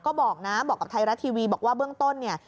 ก็บอกนะบอกกับไทยรัฐทีวีบอกว่าเบื้องต้นเนี่ย